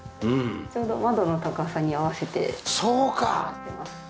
ちょうど窓の高さに合わせてもらってます。